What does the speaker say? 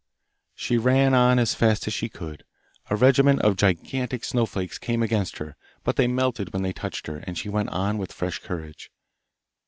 She ran on as fast as she could. A regiment of gigantic snowflakes came against her, but they melted when they touched her, and she went on with fresh courage.